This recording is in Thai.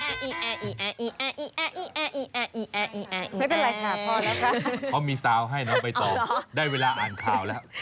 ไม่เป็นไรค่ะพอแล้วค่ะเขามีซาวให้น้องใบตองได้เวลาอ่านข่าวแล้ว